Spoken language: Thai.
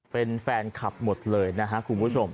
เป็นแฟนคลับหมดเลยนะครับคุณผู้ชม